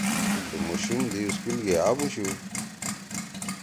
تُو مُوشِم دی سکول گے آبَشُو؟